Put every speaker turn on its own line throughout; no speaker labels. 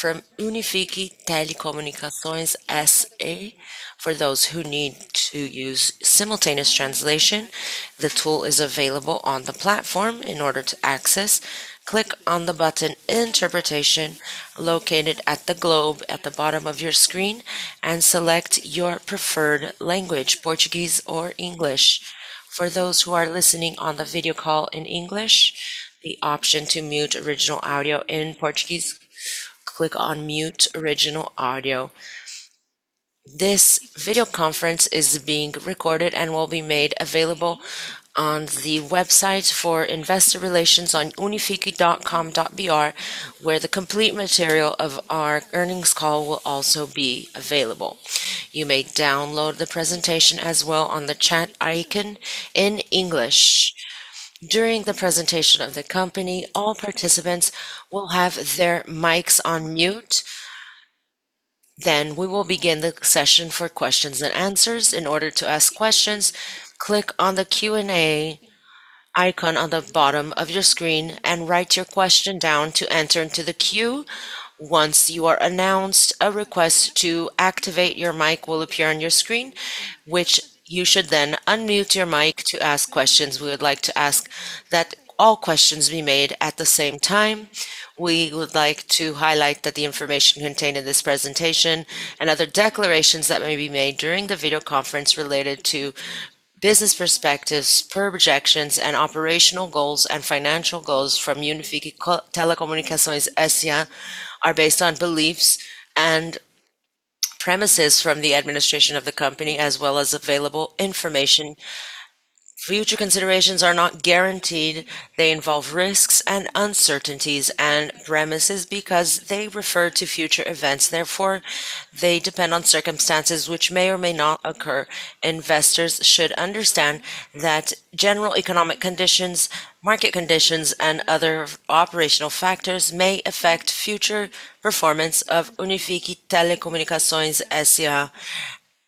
From Unifique Telecomunicações S.A. For those who need to use simultaneous translation, the tool is available on the platform. In order to access, click on the button Interpretation located at the globe at the bottom of your screen, and select your preferred language, Portuguese or English. For those who are listening on the video call in English, the option to mute original audio in Portuguese, click on Mute Original Audio. This video conference is being recorded and will be made available on the website for investor relations on unifique.com.br, where the complete material of our earnings call will also be available. You may download the presentation as well on the chat icon in English. During the presentation of the company, all participants will have their mics on mute. We will begin the session for questions and answers. In order to ask questions, click on the Q&A icon on the bottom of your screen and write your question down to enter into the queue. Once you are announced, a request to activate your mic will appear on your screen, which you should then unmute your mic to ask questions. We would like to ask that all questions be made at the same time. We would like to highlight that the information contained in this presentation and other declarations that may be made during the video conference related to business perspectives, projections, and operational goals and financial goals from Unifique Telecomunicações S.A. are based on beliefs and premises from the administration of the company as well as available information. Future considerations are not guaranteed. They involve risks and uncertainties and premises because they refer to future events. Therefore, they depend on circumstances which may or may not occur. Investors should understand that general economic conditions, market conditions, and other operational factors may affect future performance of Unifique Telecomunicações S.A.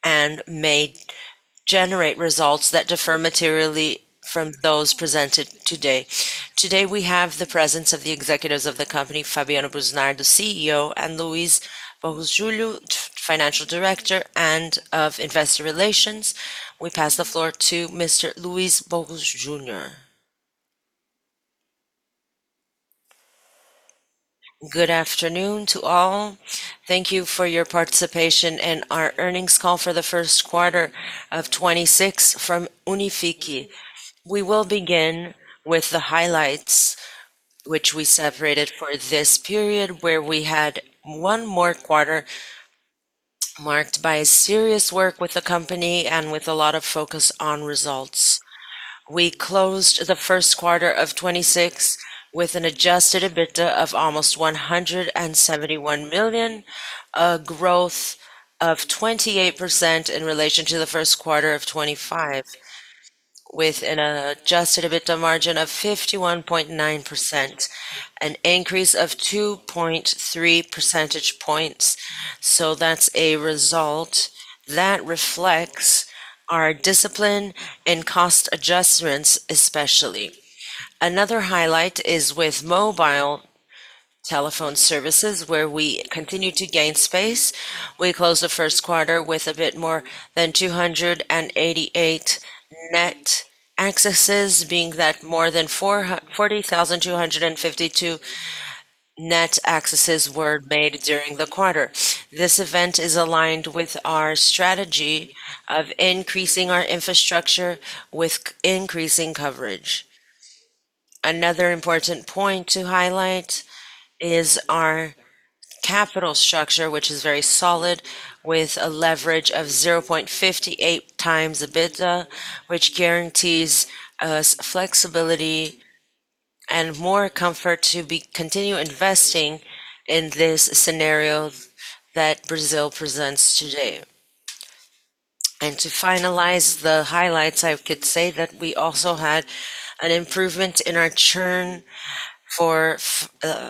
and may generate results that differ materially from those presented today. Today, we have the presence of the executives of the company, Fabiano Busnardo, the CEO, and Luiz Bogo Junior, Financial Director and of Investor Relations. We pass the floor to Mr. Luiz Bogo Junior.
Good afternoon to all. Thank you for your participation in our earnings call for the first quarter of 2026 from Unifique. We will begin with the highlights which we separated for this period where we had one more quarter marked by serious work with the company and with a lot of focus on results. We closed the first quarter of 2026 with an adjusted EBITDA of almost 171 million, a growth of 28% in relation to the first quarter of 2025, with an adjusted EBITDA margin of 51.9%, an increase of 2.3 percentage points. That's a result that reflects our discipline in cost adjustments especially. Another highlight is with mobile telephone services, where we continue to gain space. We closed the first quarter with a bit more than 288 net accesses, being that more than 40,252 net accesses were made during the quarter. This event is aligned with our strategy of increasing our infrastructure with increasing coverage. Another important point to highlight is our capital structure, which is very solid with a leverage of 0.58x EBITDA, which guarantees us flexibility and more comfort to continue investing in this scenario that Brazil presents today. To finalize the highlights, I could say that we also had an improvement in our churn for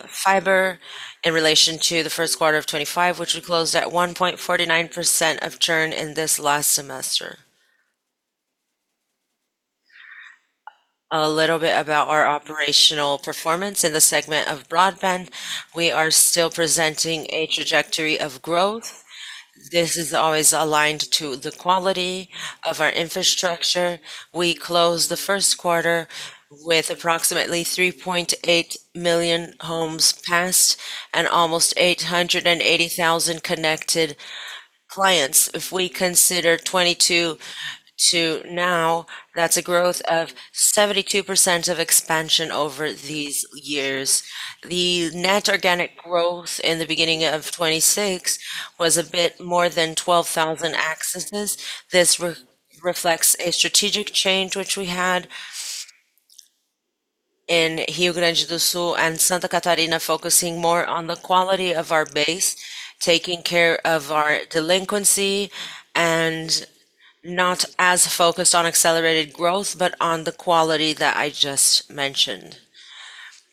fiber in relation to the first quarter of 2025, which we closed at 1.49% of churn in this last semester. A little bit about our operational performance in the segment of broadband. We are still presenting a trajectory of growth. This is always aligned to the quality of our infrastructure. We closed the first quarter with approximately 3.8 million homes passed and almost 880,000 connected clients. If we consider 2022 to now, that's a growth of 72% of expansion over these years. The net organic growth in the beginning of 2026 was a bit more than 12,000 accesses. This reflects a strategic change which we had in Rio Grande do Sul and Santa Catarina, focusing more on the quality of our base, taking care of our delinquency, and not as focused on accelerated growth but on the quality that I just mentioned.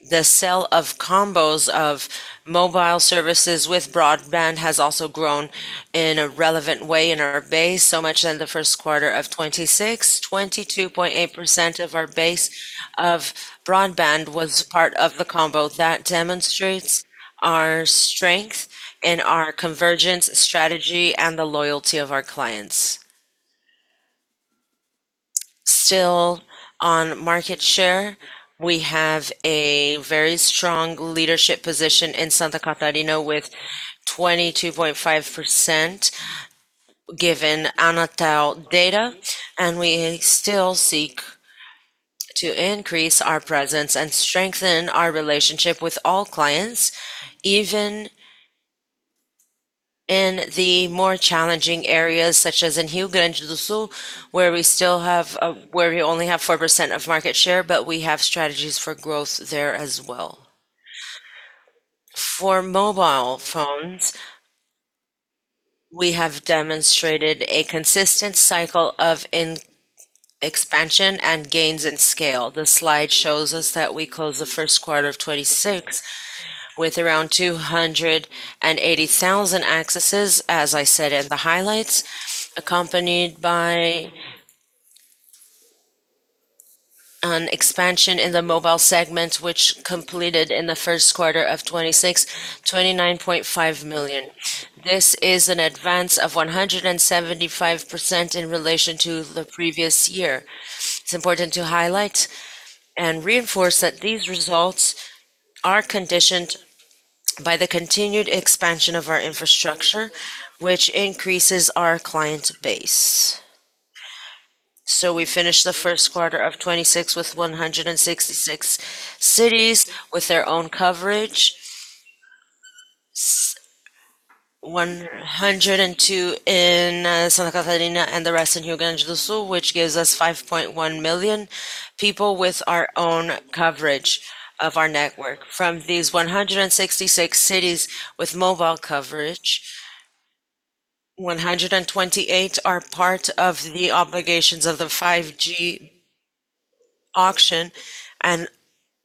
The sale of combos of mobile services with broadband has also grown in a relevant way in our base. Much in the first quarter of 2026, 22.8% of our base of broadband was part of the combo. That demonstrates our strength in our convergence strategy and the loyalty of our clients. Still on market share, we have a very strong leadership position in Santa Catarina with 22.5% given Anatel data, and we still seek to increase our presence and strengthen our relationship with all clients, even in the more challenging areas such as in Rio Grande do Sul, where we still have, where we only have 4% of market share, but we have strategies for growth there as well. For mobile phones, we have demonstrated a consistent cycle of expansion and gains in scale. The slide shows us that we closed the first quarter of 2026 with around 280,000 accesses, as I said in the highlights, accompanied by an expansion in the mobile segment, which completed in the first quarter of 2026, 29.5 million. This is an advance of 175% in relation to the previous year. It's important to highlight and reinforce that these results are conditioned by the continued expansion of our infrastructure, which increases our client base. We finished the first quarter of 2026 with 166 cities with their own coverage. 102 in Santa Catarina and the rest in Rio Grande do Sul, which gives us 5.1 million people with our own coverage of our network. From these 166 cities with mobile coverage, 128 are part of the obligations of the 5G auction, and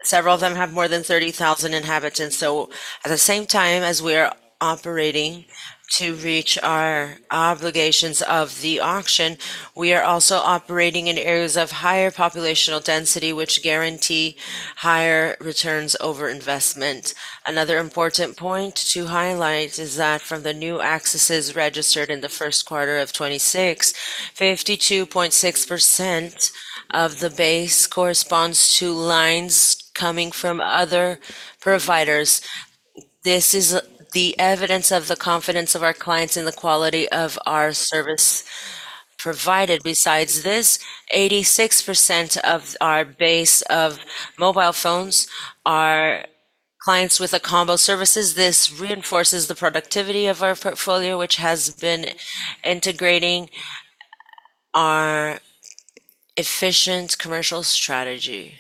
several of them have more than 30,000 inhabitants. At the same time as we are operating to reach our obligations of the auction, we are also operating in areas of higher population density, which guarantee higher returns over investment. Another important point to highlight is that from the new accesses registered in the first quarter of 2026, 52.6% of the base corresponds to lines coming from other providers. This is the evidence of the confidence of our clients in the quality of our service provided. Besides this, 86% of our base of mobile phones are clients with a combo services. This reinforces the productivity of our portfolio, which has been integrating our efficient commercial strategy.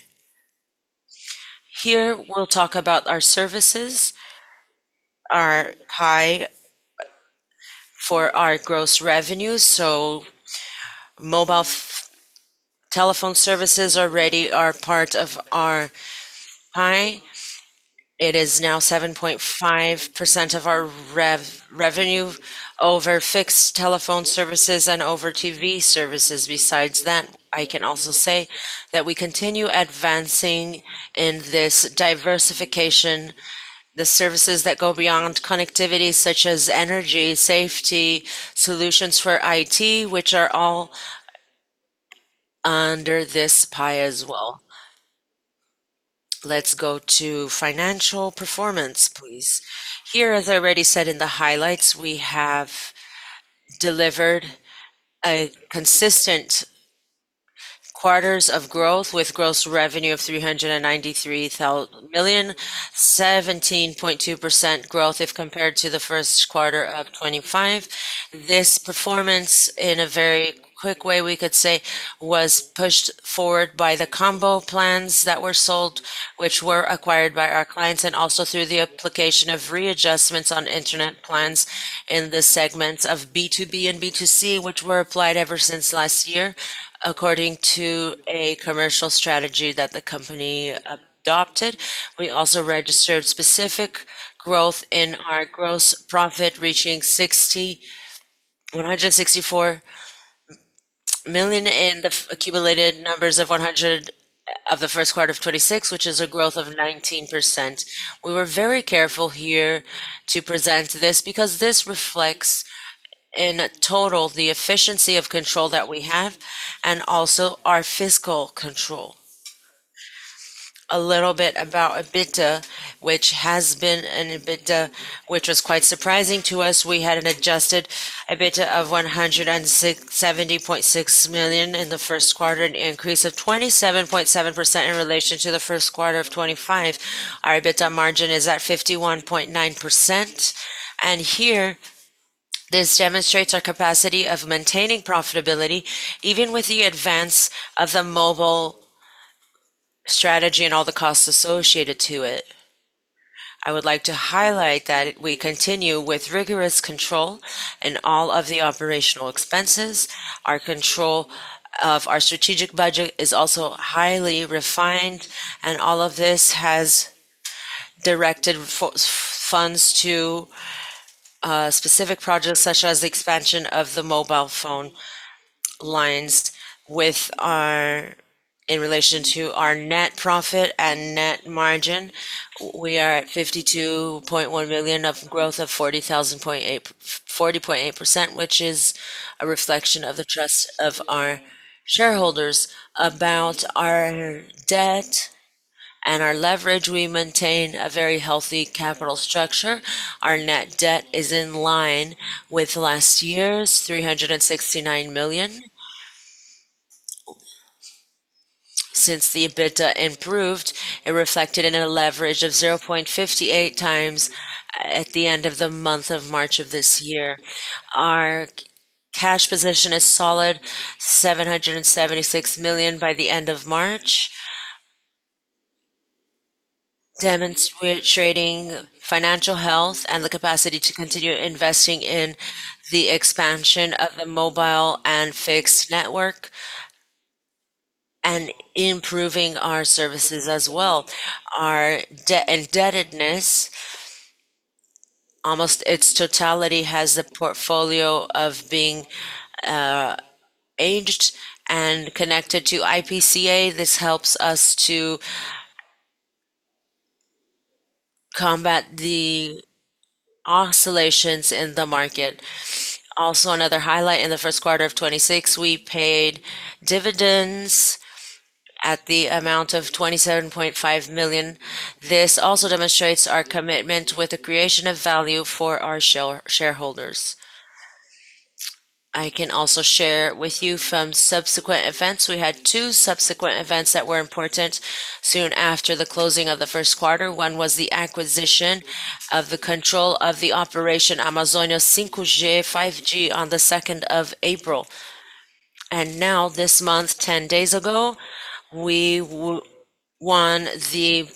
Here, we'll talk about our services. Our pie for our gross revenues. Mobile telephone services already are part of our pie. It is now 7.5% of our revenue over fixed telephone services and over TV services. I can also say that we continue advancing in this diversification, the services that go beyond connectivity, such as energy, safety, solutions for IT, which are all under this pie as well. Let's go to financial performance, please. As I already said in the highlights, we have delivered a consistent quarter of growth with gross revenue of 393 million, 17.2% growth if compared to the first quarter of 2025. This performance, in a very quick way we could say, was pushed forward by the combo plans that were sold, which were acquired by our clients, and also through the application of readjustments on internet plans in the segments of B2B and B2C, which were applied ever since last year, according to a commercial strategy that the company adopted. We also registered specific growth in our gross profit, reaching 164 million in the accumulated numbers of the first quarter of 2026, which is a growth of 19%. We were very careful here to present this because this reflects in total the efficiency of control that we have and also our fiscal control. A little bit about EBITDA, which has been an EBITDA which was quite surprising to us. We had an adjusted EBITDA of 70.6 million in the first quarter, an increase of 27.7% in relation to the first quarter of 2025. Our EBITDA margin is at 51.9%. Here, this demonstrates our capacity of maintaining profitability even with the advance of the mobile strategy and all the costs associated to it. I would like to highlight that we continue with rigorous control in all of the operational expenses. Our control of our strategic budget is also highly refined, and all of this has directed funds to specific projects such as the expansion of the mobile phone lines with our. In relation to our net profit and net margin, we are at 52.1 million of growth of 40.8%, which is a reflection of the trust of our shareholders. About our debt and our leverage, we maintain a very healthy capital structure. Our net debt is in line with last year's 369 million. Since the EBITDA improved, it reflected in a leverage of 0.58x at the end of the month of March of this year. Our cash position is solid, 776 million by the end of March, demonstrating financial health and the capacity to continue investing in the expansion of the mobile and fixed network and improving our services as well. Our indebtedness, almost its totality has a portfolio of being aged and connected to IPCA. This helps us to combat the oscillations in the market. Another highlight, in the first quarter of 2026, we paid dividends at the amount of 27.5 million. This also demonstrates our commitment with the creation of value for our shareholders. I can also share with you from subsequent events. We had two subsequent events that were important soon after the closing of the first quarter. One was the acquisition of the control of the operation Amazônia 5G, on April 2. Now this month, 10 days ago, we won the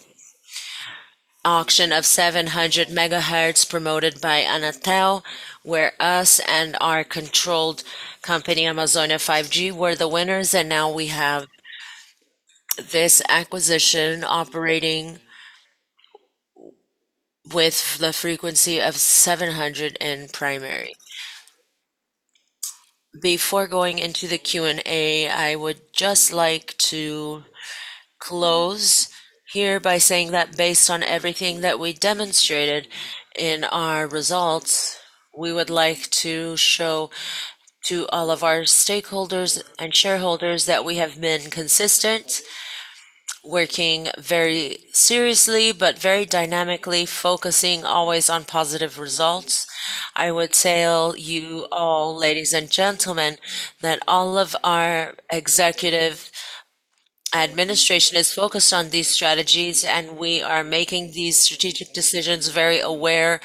auction of 700 megahertz promoted by Anatel, where us and our controlled company, Amazônia 5G, were the winners, and now we have this acquisition operating with the frequency of 700 in primary. Before going into the Q&A, I would just like to close here by saying that based on everything that we demonstrated in our results, we would like to show to all of our stakeholders and shareholders that we have been consistent, working very seriously but very dynamically, focusing always on positive results. I would tell you all, ladies and gentlemen, that all of our executive administration is focused on these strategies, and we are making these strategic decisions very aware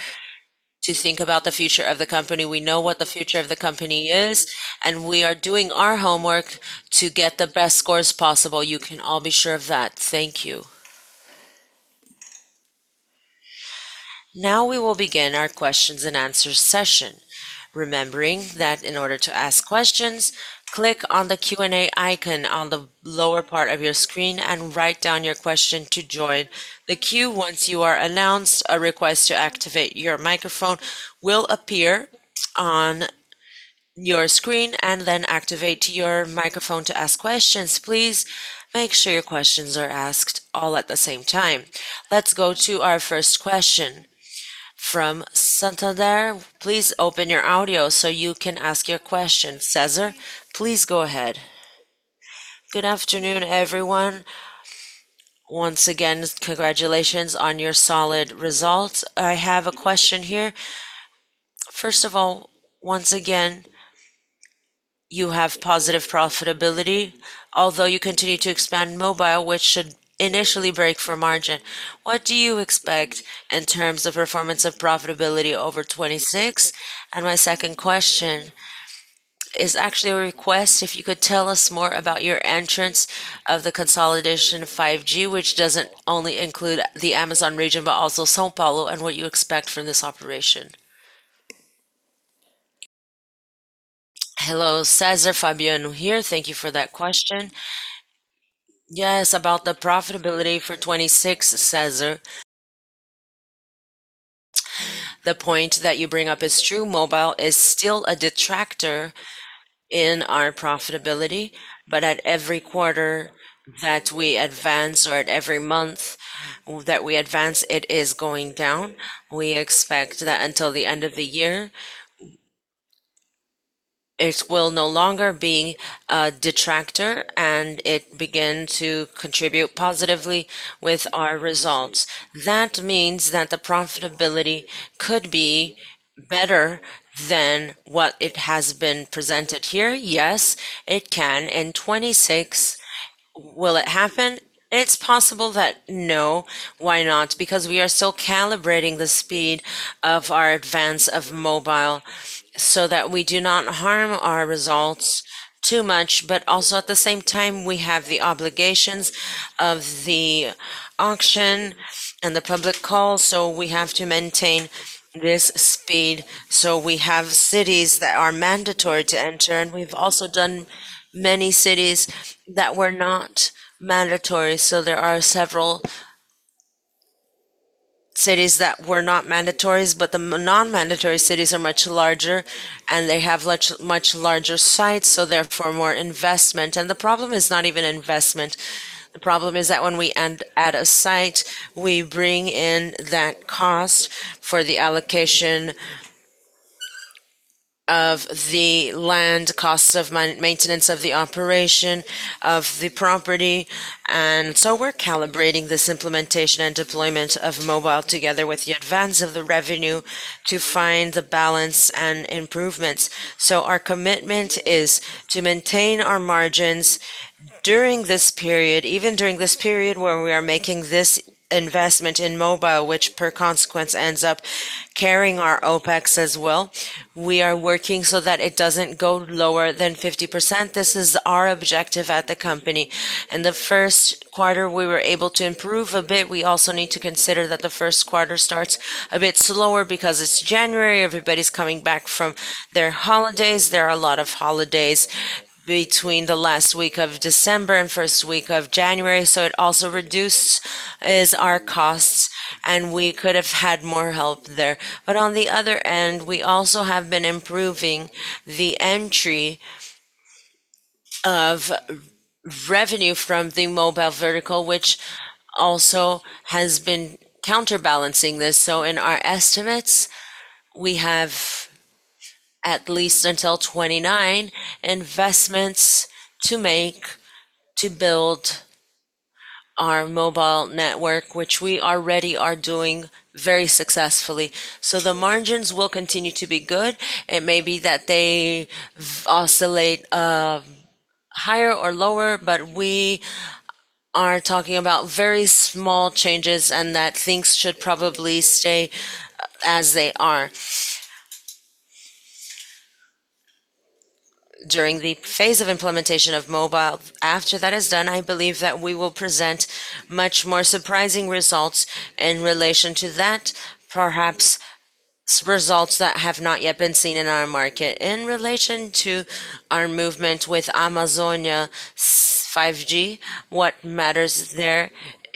to think about the future of the company. We know what the future of the company is. We are doing our homework to get the best scores possible. You can all be sure of that. Thank you.
Now we will begin our questions and answers session. Remembering that in order to ask questions, click on the Q&A icon on the lower part of your screen and write down your question to join the queue. Once you are announced, a request to activate your microphone will appear on your screen, and then activate your microphone to ask questions. Please make sure your questions are asked all at the same time. Let's go to our first question. From Santander, please open your audio so you can ask your question. Cesar, please go ahead.
Good afternoon, everyone. Once again, congratulations on your solid results. I have a question here. First of all, once again, you have positive profitability, although you continue to expand mobile, which should initially break for margin. What do you expect in terms of performance of profitability over 2026? My second question is actually a request. If you could tell us more about your entrance of the consolidation of 5G, which doesn't only include the Amazônia region, but also São Paulo, and what you expect from this operation.
Hello, Cesar. Fabiano here. Thank you for that question. Yes, about the profitability for 2026, Cesar, the point that you bring up is true. Mobile is still a detractor in our profitability, but at every quarter that we advance or at every month that we advance, it is going down. We expect that until the end of the year, it will no longer be a detractor, and it begin to contribute positively with our results. That means that the profitability could be better than what it has been presented here. Yes, it can. In 2026, will it happen? It's possible that no. Why not? We are still calibrating the speed of our advance of mobile so that we do not harm our results too much. Also, at the same time, we have the obligations of the auction and the public call, so we have to maintain this speed. We have cities that are mandatory to enter, and we've also done many cities that were not mandatory. There are several cities that were not mandatories, but the non-mandatory cities are much larger, and they have much larger sites, so therefore more investment. The problem is not even investment. The problem is that when we end at a site, we bring in that cost for the allocation of the land, costs of maintenance of the operation of the property. We're calibrating this implementation and deployment of mobile together with the advance of the revenue to find the balance and improvements. Our commitment is to maintain our margins during this period, even during this period where we are making this investment in mobile, which per consequence ends up carrying our OpEx as well. We are working so that it doesn't go lower than 50%. This is our objective at the company. In the first quarter, we were able to improve a bit. We also need to consider that the first quarter starts a bit slower because it's January. Everybody's coming back from their holidays. There are a lot of holidays between the last week of December and first week of January, so it also reduces our costs, and we could have had more help there. On the other end, we also have been improving the entry of revenue from the mobile vertical, which also has been counterbalancing this. In our estimates, we have at least until 2029 investments to make to build our mobile network, which we already are doing very successfully. The margins will continue to be good. It may be that they oscillate higher or lower, but we are talking about very small changes and that things should probably stay as they are during the phase of implementation of mobile. After that is done, I believe that we will present much more surprising results in relation to that, perhaps results that have not yet been seen in our market. In relation to our movement with Amazônia 5G, what matters there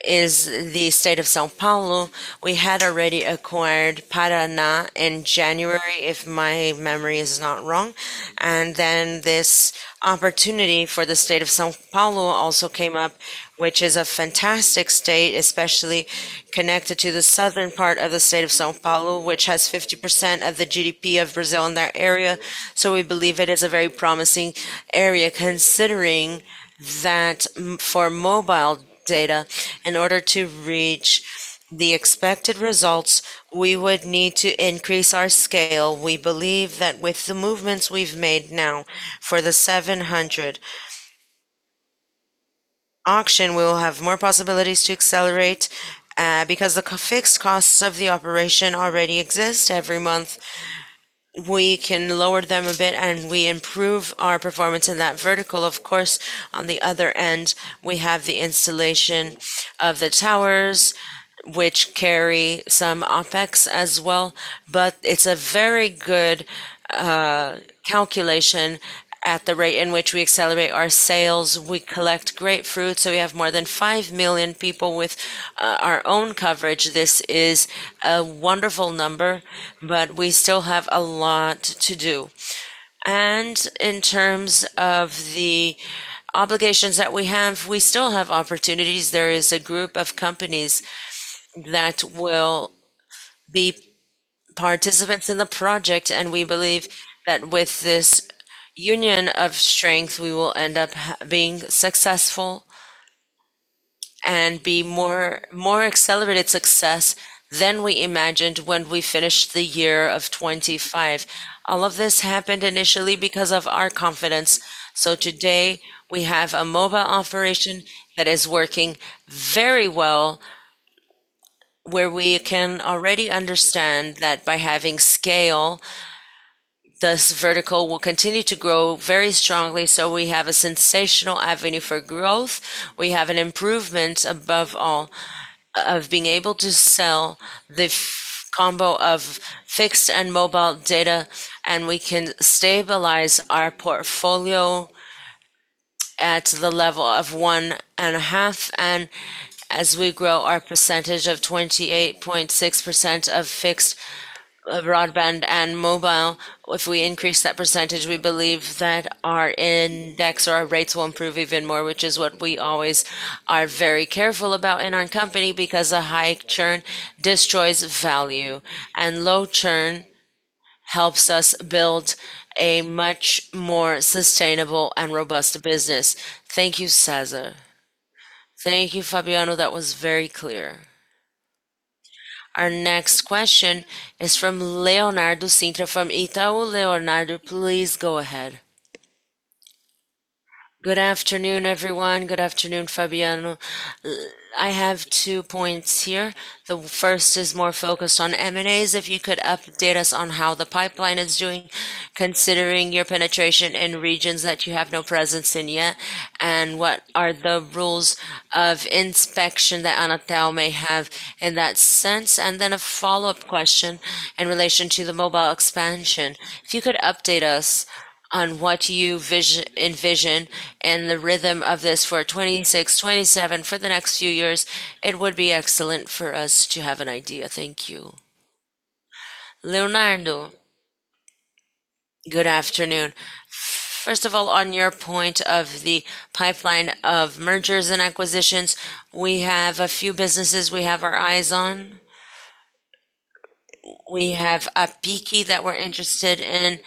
is the state of São Paulo. We had already acquired Paraná in January, if my memory is not wrong, and then this opportunity for the state of São Paulo also came up, which is a fantastic state, especially connected to the southern part of the state of São Paulo, which has 50% of the GDP of Brazil in that area. We believe it is a very promising area considering that for mobile data, in order to reach the expected results, we would need to increase our scale. We believe that with the movements we've made now for the 700 auction, we will have more possibilities to accelerate, because the fixed costs of the operation already exist every month. We can lower them a bit, we improve our performance in that vertical. Of course, on the other end, we have the installation of the towers, which carry some OpEx as well. It's a very good calculation at the rate in which we accelerate our sales. We collect great fruit, we have more than 5 million people with our own coverage. This is a wonderful number, we still have a lot to do. In terms of the obligations that we have, we still have opportunities. There is a group of companies that will be participants in the project, and we believe that with this union of strength, we will end up being successful and be more accelerated success than we imagined when we finished the year of 2025. All of this happened initially because of our confidence. Today, we have a mobile operation that is working very well, where we can already understand that by having scale, this vertical will continue to grow very strongly. We have a sensational avenue for growth. We have an improvement above all of being able to sell the combo of fixed and mobile data, and we can stabilize our portfolio at the level of 1.5. As we grow our percentage of 28.6% of fixed broadband and mobile, if we increase that percentage, we believe that our index or our rates will improve even more, which is what we always are very careful about in our company because a high churn destroys value, low churn helps us build a much more sustainable and robust business. Thank you, Cesar.
Thank you, Fabiano. That was very clear.
Our next question is from Leonardo Cintra from Itaú. Leonardo, please go ahead.
Good afternoon, everyone. Good afternoon, Fabiano. I have two points here. The first is more focused on M&As, if you could update us on how the pipeline is doing considering your penetration in regions that you have no presence in yet, and what are the rules of inspection that Anatel may have in that sense? A follow-up question in relation to the mobile expansion. If you could update us on what you envision and the rhythm of this for 2026, 2027, for the next few years, it would be excellent for us to have an idea. Thank you.
Good afternoon. First of all, on your point of the pipeline of mergers and acquisitions, we have a few businesses we have our eyes on. We have AppKey that we're interested in.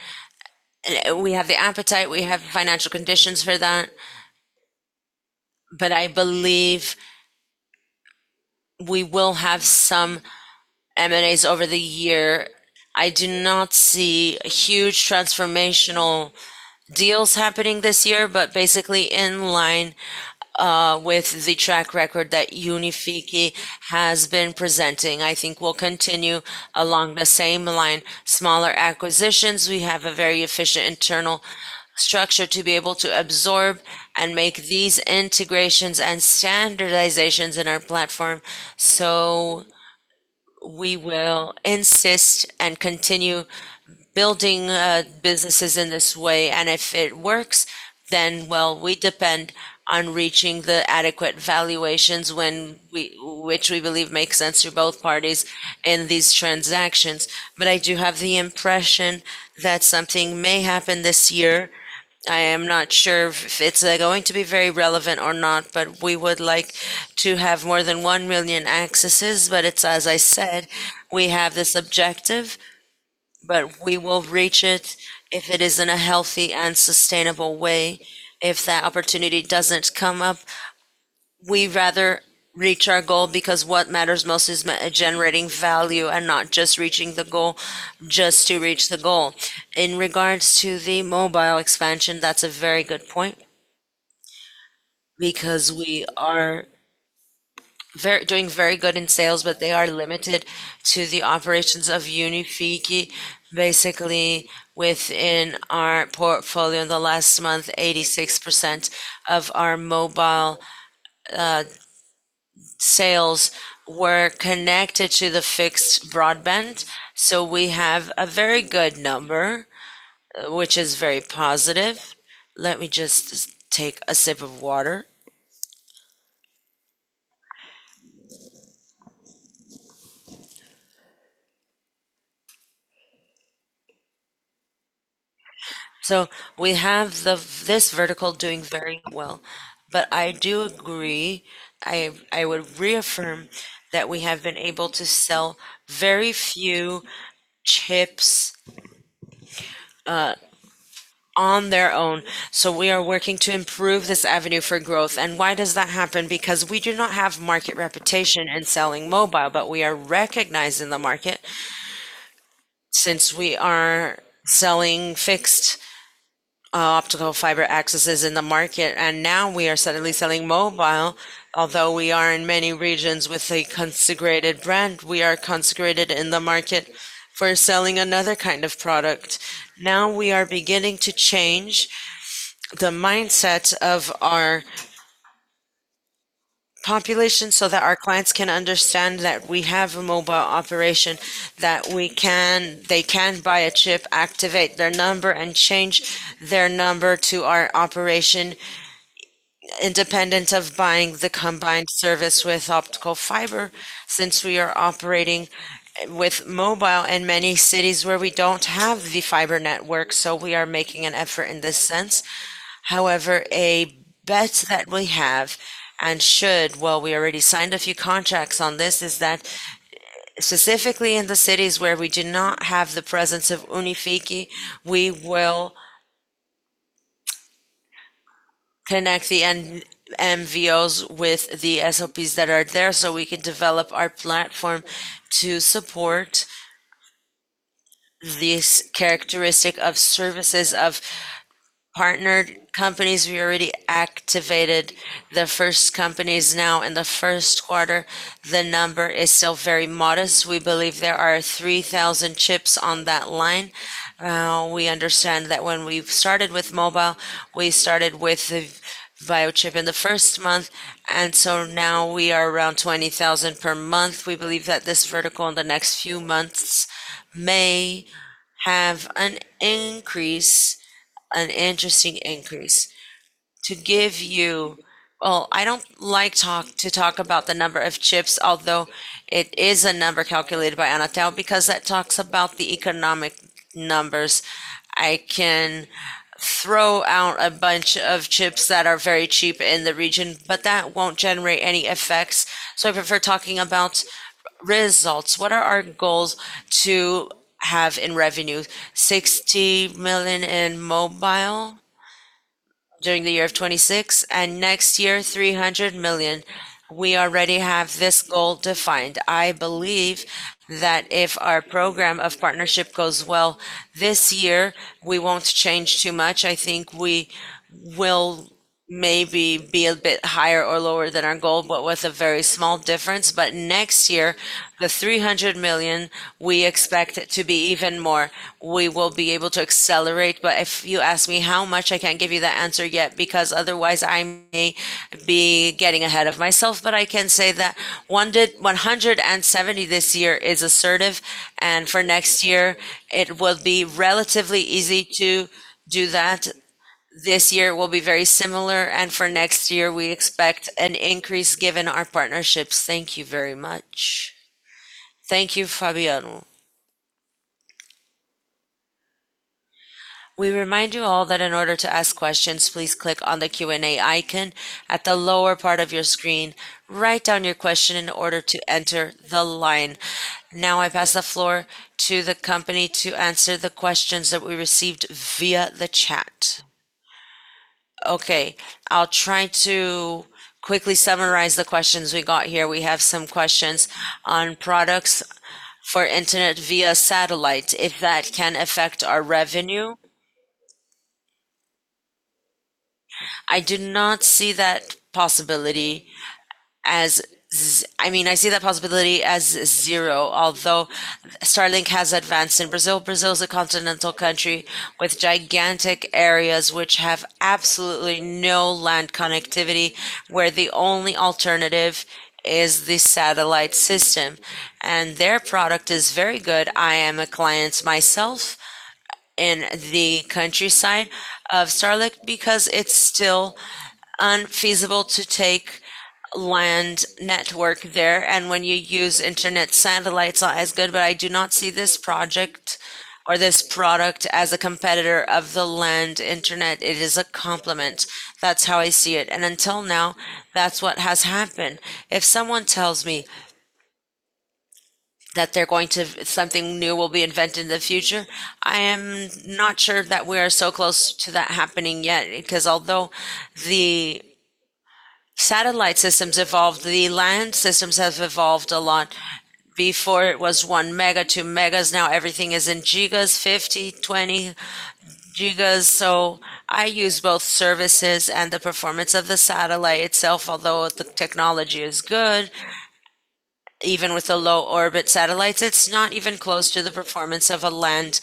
We have the appetite, we have financial conditions for that. I believe we will have some M&As over the year. I do not see huge transformational deals happening this year, but basically in line with the track record that Unifique has been presenting. I think we'll continue along the same line, smaller acquisitions. We have a very efficient internal structure to be able to absorb and make these integrations and standardizations in our platform. We will insist and continue building businesses in this way, and if it works, we depend on reaching the adequate valuations which we believe makes sense to both parties in these transactions. I do have the impression that something may happen this year. I am not sure if it's going to be very relevant or not, we would like to have more than 1 million accesses. It's as I said, we have this objective, we will reach it if it is in a healthy and sustainable way. If that opportunity doesn't come up, we rather reach our goal because what matters most is generating value and not just reaching the goal just to reach the goal. In regards to the mobile expansion, that's a very good point because we are doing very good in sales, but they are limited to the operations of Unifique. Basically, within our portfolio in the last month, 86% of our mobile sales were connected to the fixed broadband. We have a very good number, which is very positive. Let me just take a sip of water. We have this vertical doing very well. I do agree, I would reaffirm that we have been able to sell very few chips on their own. We are working to improve this avenue for growth. Why does that happen? We do not have market reputation in selling mobile, but we are recognized in the market since we are selling fixed optical fiber accesses in the market. Now we are suddenly selling mobile. We are in many regions with a consecrated brand, we are consecrated in the market for selling another kind of product. Now we are beginning to change the mindset of our population so that our clients can understand that we have a mobile operation, that they can buy a chip, activate their number, and change their number to our operation independent of buying the combined service with optical fiber since we are operating with mobile in many cities where we don't have the fiber network. We are making an effort in this sense. A bet that we have and should, well, we already signed a few contracts on this, is that specifically in the cities where we do not have the presence of Unifique, we will connect the MVNOs with the SAPs that are there, so we can develop our platform to support this characteristic of services of partnered companies. We already activated the first companies now in the first quarter. The number is still very modest. We believe there are 3,000 chips on that line. We understand that when we've started with mobile, we started with the Vivo chip in the first month, now we are around 20,000 per month. We believe that this vertical in the next few months may have an increase, an interesting increase. To give you, I don't like to talk about the number of chips, although it is a number calculated by Anatel, because that talks about the economic numbers. I can throw out a bunch of chips that are very cheap in the region, but that won't generate any effects. If we're talking about results, what are our goals to have in revenue? 60 million in mobile during the year of 2026, and next year, 300 million. We already have this goal defined. I believe that if our program of partnership goes well this year, we won't change too much. I think we will maybe be a bit higher or lower than our goal, but with a very small difference. Next year, the 300 million, we expect it to be even more. We will be able to accelerate. If you ask me how much, I can't give you that answer yet, because otherwise I may be getting ahead of myself. I can say that 170 this year is assertive, and for next year it will be relatively easy to do that. This year will be very similar, and for next year we expect an increase given our partnerships. Thank you very much.
Thank you, Fabiano.
We remind you all that in order to ask questions, please click on the Q&A icon at the lower part of your screen. Write down your question in order to enter the line. Now I pass the floor to the company to answer the questions that we received via the chat.
Okay, I'll try to quickly summarize the questions we got here. We have some questions on products for internet via satellite, if that can affect our revenue. I mean, I see that possibility as zero. Although Starlink has advanced in Brazil is a continental country with gigantic areas which have absolutely no land connectivity, where the only alternative is the satellite system. Their product is very good. I am a client myself in the countryside of Starlink because it's still unfeasible to take land network there. When you use internet, satellites are as good. I do not see this project or this product as a competitor of the land internet. It is a complement. That's how I see it. Until now, that's what has happened. If someone tells me that something new will be invented in the future, I am not sure that we are so close to that happening yet. Although the satellite systems evolved, the land systems have evolved a lot. Before it was 1 mega, 2 megas. Now everything is in gigas, 50, 20 gigas. I use both services and the performance of the satellite itself, although the technology is good, even with the low orbit satellites, it's not even close to the performance of a land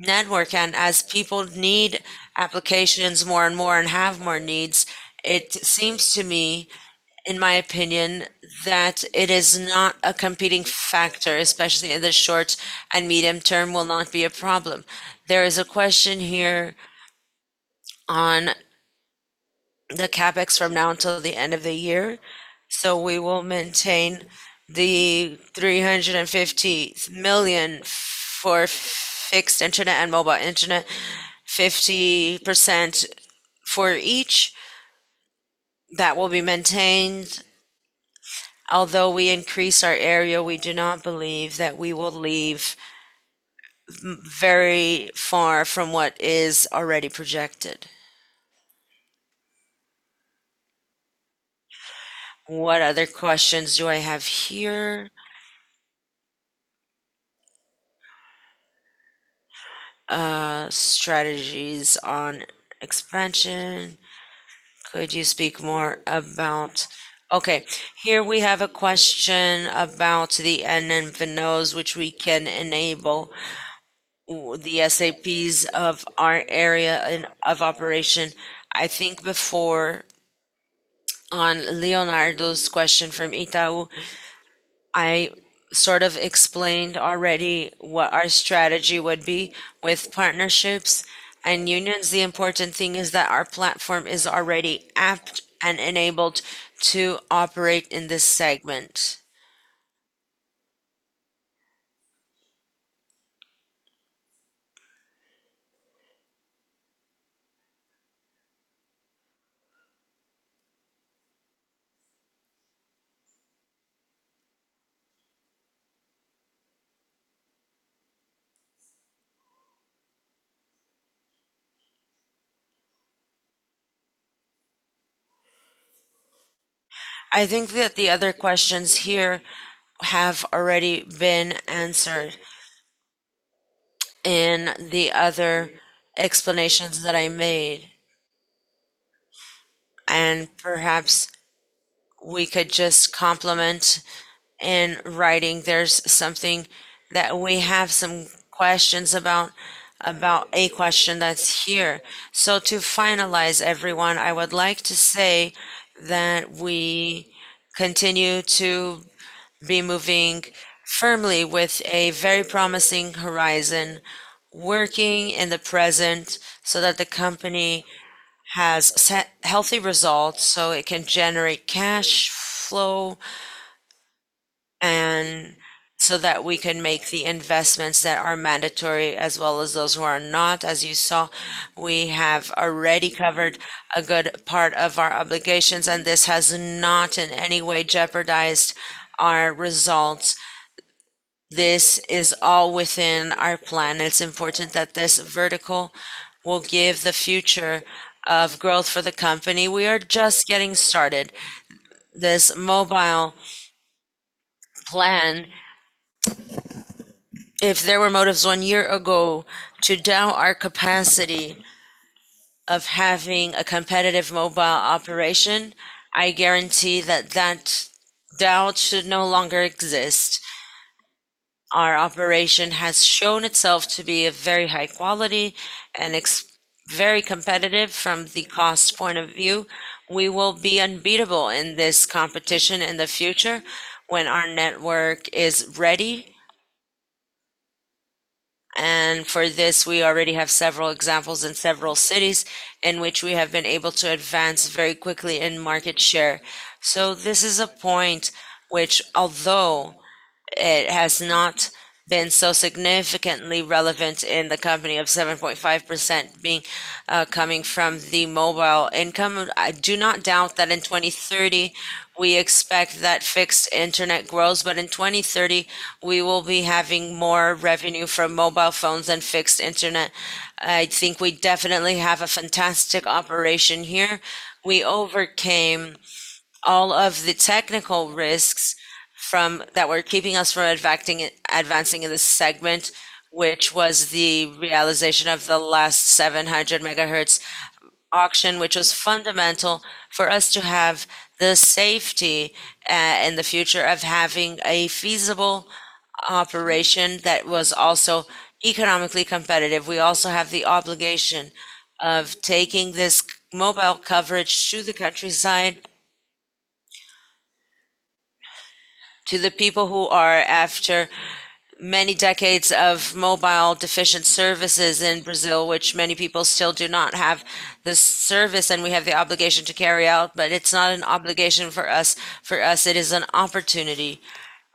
network. As people need applications more and more and have more needs, it seems to me, in my opinion, that it is not a competing factor, especially in the short and medium term will not be a problem. There is a question here on the CapEx from now until the end of the year. We will maintain the 350 million for fixed internet and mobile internet, 50% for each. That will be maintained. Although we increase our area, we do not believe that we will leave very far from what is already projected. What other questions do I have here? Strategies on expansion. Could you speak more about Okay, here we have a question about the MVNOs which we can enable the SAPs of our area of operation. I think before on Leonardo's question from Itaú, I sort of explained already what our strategy would be with partnerships and unions. The important thing is that our platform is already apt and enabled to operate in this segment. I think that the other questions here have already been answered in the other explanations that I made, and perhaps we could just complement in writing. There's something that we have some questions about a question that's here. To finalize, everyone, I would like to say that we continue to be moving firmly with a very promising horizon, working in the present so that the company has set healthy results, so it can generate cash flow and so that we can make the investments that are mandatory as well as those who are not. As you saw, we have already covered a good part of our obligations, this has not in any way jeopardized our results. This is all within our plan. It's important that this vertical will give the future of growth for the company. We are just getting started. This mobile plan, if there were motives one year ago to doubt our capacity of having a competitive mobile operation, I guarantee that that doubt should no longer exist. Our operation has shown itself to be of very high quality and very competitive from the cost point of view. We will be unbeatable in this competition in the future when our network is ready. For this, we already have several examples in several cities in which we have been able to advance very quickly in market share. This is a point which, although it has not been so significantly relevant in the company of 7.5% being coming from the mobile income, I do not doubt that in 2030 we expect that fixed internet grows. In 2030 we will be having more revenue from mobile phones than fixed internet. I think we definitely have a fantastic operation here. We overcame all of the technical risks that were keeping us from advancing in this segment, which was the realization of the last 700 MHz auction, which was fundamental for us to have the safety in the future of having a feasible operation that was also economically competitive. We also have the obligation of taking this mobile coverage to the countryside, to the people who are, after many decades of mobile deficient services in Brazil, which many people still do not have this service, and we have the obligation to carry out. It's not an obligation for us. For us, it is an opportunity.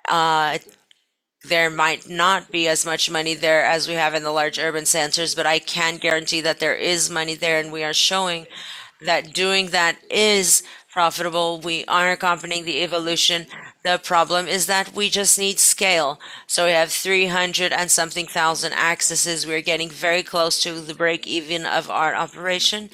There might not be as much money there as we have in the large urban centers, but I can guarantee that there is money there, and we are showing that doing that is profitable. We are accompanying the evolution. The problem is that we just need scale. We have three hundred and something thousand accesses. We are getting very close to the break-even of our operation.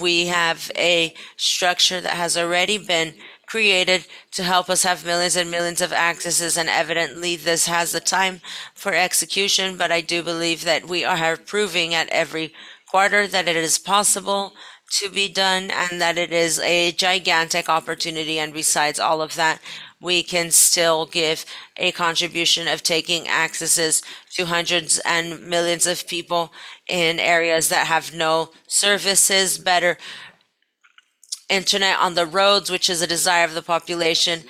We have a structure that has already been created to help us have millions and millions of accesses, and evidently, this has the time for execution. I do believe that we are proving at every quarter that it is possible to be done and that it is a gigantic opportunity. Besides all of that, we can still give a contribution of taking accesses to hundreds and millions of people in areas that have no services, better internet on the roads, which is a desire of the population.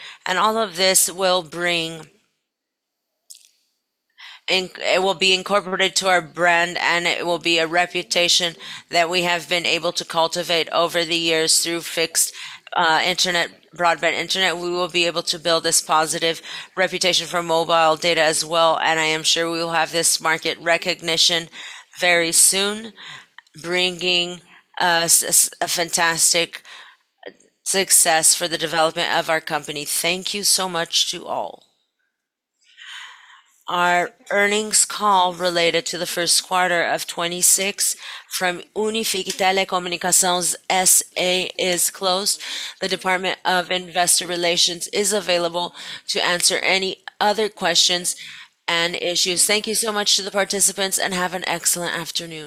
It will be incorporated to our brand, and it will be a reputation that we have been able to cultivate over the years through fixed internet, broadband internet. We will be able to build this positive reputation for mobile data as well, and I am sure we will have this market recognition very soon, bringing us a fantastic success for the development of our company. Thank you so much to all.
Our earnings call related to the first quarter of 2026 from Unifique Telecomunicações S.A. is closed. The Department of Investor Relations is available to answer any other questions and issues. Thank you so much to the participants, and have an excellent afternoon.